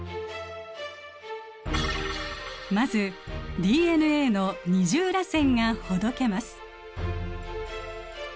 まずＤＮＡの二重らせんがほどけます。